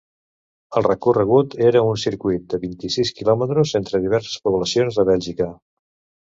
El recorregut era un circuit de vint-i-sis quilòmetres entre diverses poblacions de Bèlgica.